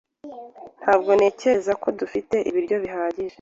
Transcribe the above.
Ntabwo ntekereza ko dufite ibiryo bihagije.